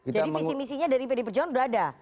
jadi visi misinya dari bd perjalanan udah ada